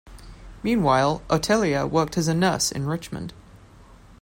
Meanwhile, Otelia worked as a nurse in Richmond.